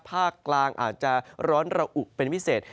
ภาคกลางอาจจะร้อนระอุเป็นพิเศษ